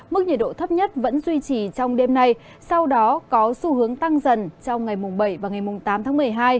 mức nhiệt độ thấp nhất vẫn duy trì trong đêm nay sau đó có xu hướng tăng dần trong ngày mùng bảy và ngày tám tháng một mươi hai